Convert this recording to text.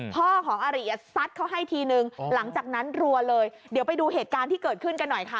พ่อของอาริอ่ะซัดเขาให้ทีนึงหลังจากนั้นรัวเลยเดี๋ยวไปดูเหตุการณ์ที่เกิดขึ้นกันหน่อยค่ะ